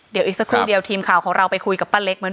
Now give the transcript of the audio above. เดี๋ยวอีกสักครู่เดียวทีมข่าวของเราไปคุยกับป้าเล็กมาด้วย